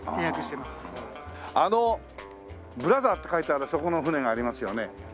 あの「ＢＲＯＴＨＥＲ」って書いてあるそこの船がありますよね。